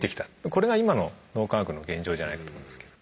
これが今の脳科学の現状じゃないかと思いますけど。